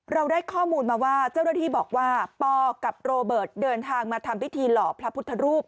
เราได้ข้อมูลมาว่าเจ้าหน้าที่บอกว่าปกับโรเบิร์ตเดินทางมาทำพิธีหล่อพระพุทธรูป